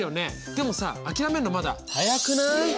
でもさ諦めんのまだ早くない。